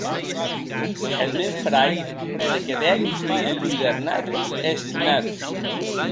E eth mèn frair se quedèc enludernat e estonat.